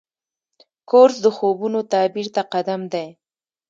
کورس د خوبونو تعبیر ته قدم دی.